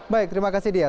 baik terima kasih dia